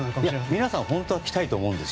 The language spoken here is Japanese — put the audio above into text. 皆さん、本当は来たいと思うんですよ。